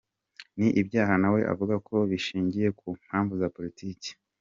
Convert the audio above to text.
Ni ibyaha na we avuga ko bishingiye ku mpamvu za politiki.